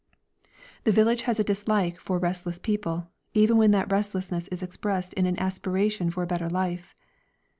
The village has a dislike for restless people, even when that restlessness is expressed in an aspiration for a better life.